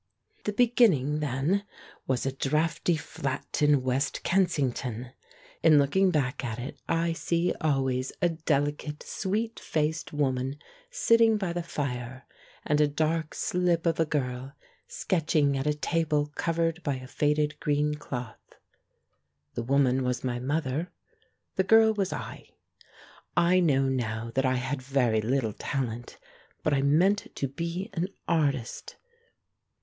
The beginning, then, was a draughty flat in West Kensington. In looking back at it I see 200 THE PRINCE IN THE FAIRY TALE 201 always a delicate, sweet faced woman sitting by the fire, and a dark slip of a girl sketching at a table covered by a faded green cloth. The wom an was my mother; the girl was I. I know now that I had very little talent, but I meant to be an artist.